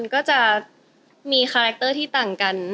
ก็จะมีคาแรคเตอร์ที่ต่างกัน